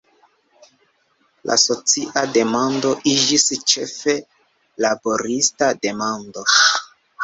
La socia demando iĝis ĉefe laborista demando.